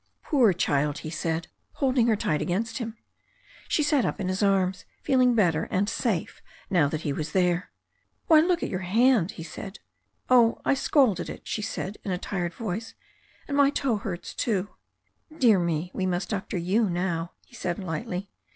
"Poor child," he said, holding her tight against him. She sat up in his arms, feeling better and safe now that he was there. "Why, look at your hand," he said. "Oh, I scalded it," she said in a tired voice. "And my toe hurts too." "Dear me, we must doctor you now," he said lightly.